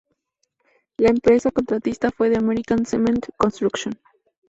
La empresa contratista fue The American Cement Construction.